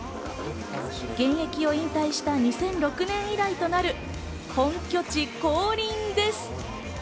現役を引退した２００６年以来となる本拠地降臨です。